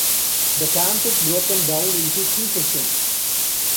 The camp is broken down into three sessions.